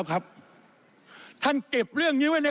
ก็บ้าเลย